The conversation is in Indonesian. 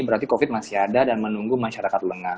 berarti covid masih ada dan menunggu masyarakat lengah